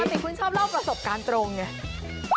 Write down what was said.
ติคุณชอบเล่าประสบการณ์ตรงไง